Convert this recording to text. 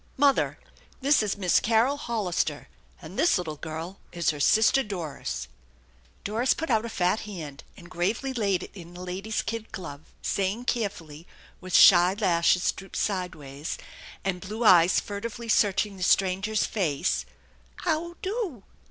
" Mother, this is Miss Carol Hollister, and this little girl is her sister Doris " Doris put out a fat hand and gravely laid it in the lady's kid glove, saying carefully, with shy lashes drooped sideways, and blue eyes furtively searching the stranger's face, "How oo do?"